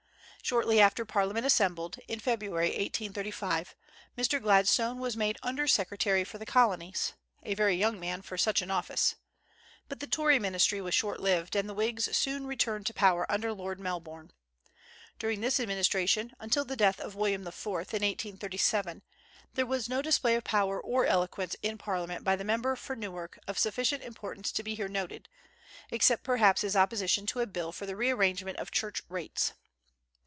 Shortly after Parliament assembled, in February, 1835, Mr. Gladstone was made under secretary for the Colonies, a very young man for such an office. But the Tory ministry was short lived, and the Whigs soon returned to power under Lord Melbourne. During this administration, until the death of William IV. in 1837, there was no display of power or eloquence in Parliament by the member for Newark of sufficient importance to be here noted, except perhaps his opposition to a bill for the re arrangement of church rates.